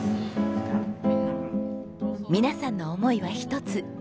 皆さんの思いは一つ。